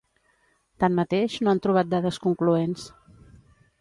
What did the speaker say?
Tanmateix, no han trobat dades concloents.